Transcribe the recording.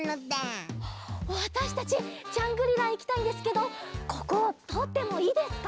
わたしたちジャングリラいきたいんですけどこことおってもいいですか？